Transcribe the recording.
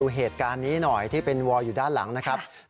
เหตุการณ์นี้หน่อยที่เป็นวอลอยู่ด้านหลังนะครับ